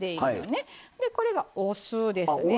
でこれがお酢ですね。